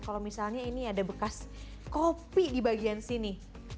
kalau misalnya ini ada bekas kopi di bagian sini